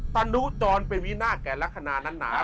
ตนุจรเป็นวินาศแก่ลักษณะนั้นหนา